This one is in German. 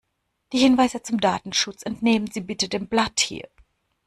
Die Hinweise zum Datenschutz entnehmen Sie bitte dem Blatt hier.